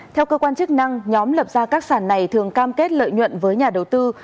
theo cơ quan chức năng nhóm lập ra các sản này thường cam kết lợi nhuận với nhà đầu tư